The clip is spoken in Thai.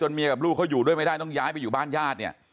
เมียกับลูกเขาอยู่ด้วยไม่ได้ต้องย้ายไปอยู่บ้านญาติเนี่ย